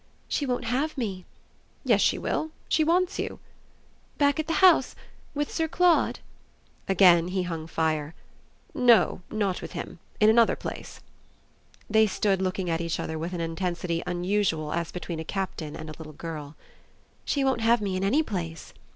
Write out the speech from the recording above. "She won't have me." "Yes she will. She wants you." "Back at the house with Sir Claude?" Again he hung fire. "No, not with him. In another place." They stood looking at each other with an intensity unusual as between a Captain and a little girl. "She won't have me in any place."